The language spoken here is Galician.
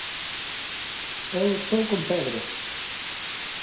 Eu estou con Pedro.